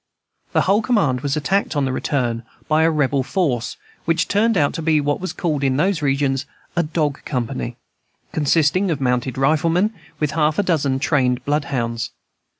The whole command was attacked on the return by a rebel force, which turned out to be what was called in those regions a "dog company," consisting of mounted riflemen with half a dozen trained bloodhounds.